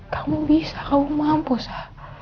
kamu bisa kamu mampus sa